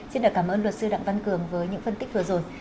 xin cảm ơn luật sư đặng văn cường với những phân tích vừa rồi